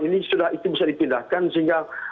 ini sudah itu bisa dipindahkan sehingga